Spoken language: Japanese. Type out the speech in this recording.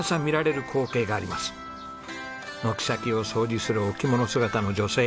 軒先を掃除するお着物姿の女性。